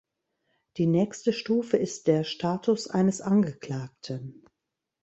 Die nächste Stufe ist der Status eines Angeklagten.